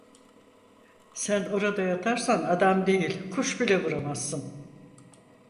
Sen orada yatarsan adam değil kuş bile vuramazsın…